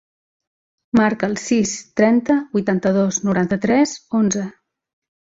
Marca el sis, trenta, vuitanta-dos, noranta-tres, onze.